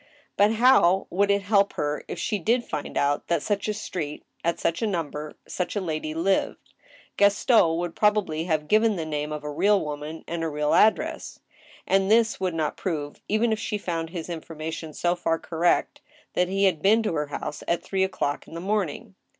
But how would it help her if she did find out that in such a street, at such a number, such a lady lived ? Gaston would prob ably have given the name of a real woman and a real address. And this would not prove, even if she found his information so far correct, that he had been to her house at three o'clock in the morning.